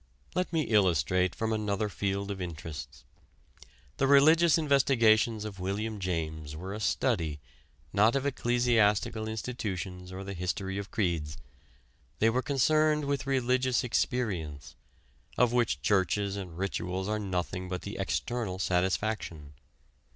Let me illustrate from another field of interests. The religious investigations of William James were a study, not of ecclesiastical institutions or the history of creeds. They were concerned with religious experience, of which churches and rituals are nothing but the external satisfaction.